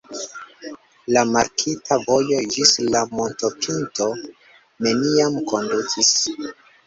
La markita vojo ĝis la montopinto neniam kondukis.